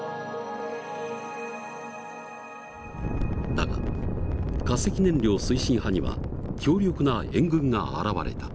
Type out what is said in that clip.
だが化石燃料推進派には強力な援軍が現れた。